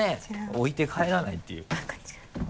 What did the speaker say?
置いて帰らないっていう。